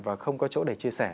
và không có chỗ để chia sẻ